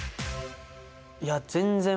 いや全然。